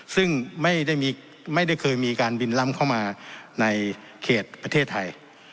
ซึ่งไม่ได้เคยมีการบินล้ำเข้ามาในเขตประเทศไทย